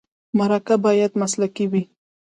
مرکه باید مسلکي وي.